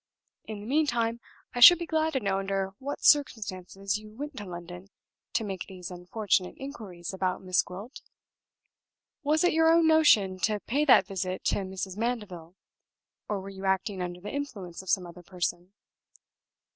In the meantime I should be glad to know under what circumstances you went to London to make these unfortunate inquiries about Miss Gwilt? Was it your own notion to pay that visit to Mrs. Mandeville? or were you acting under the influence of some other person?"